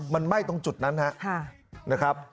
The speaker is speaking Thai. มันไหม้ตรงจุดนั้นนะครับ